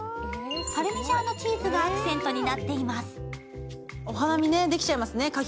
パルミジャーノチーズがアクセントになっています。